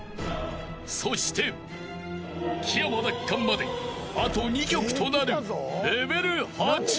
［そして木山奪還まであと２曲となる］